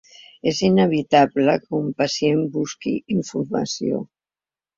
És inevitable que un pacient busque informació.